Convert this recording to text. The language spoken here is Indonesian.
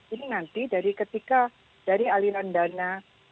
ini nanti dari ketika dari aliran dana